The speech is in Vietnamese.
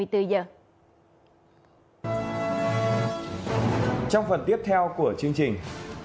trong phần tiếp theo của chương trình